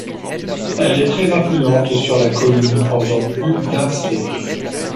Elle est très influente sur la commune pendant plus d'un siècle.